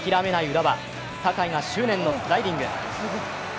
浦和酒井が執念のスライディング。